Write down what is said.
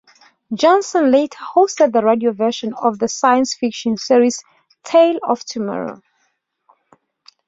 Johnson later hosted the radio version of the science fiction series "Tales of Tomorrow".